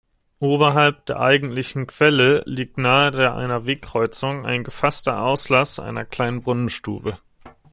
Oberhalb der eigentlichen Quelle liegt nahe einer Wegkreuzung ein gefasster Auslass einer kleinen Brunnenstube.